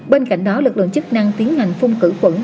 bên cạnh đó lực lượng chức năng tiến hành phun cử quẩn